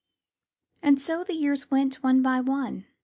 And so the years went one by one.